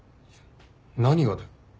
何がだよ。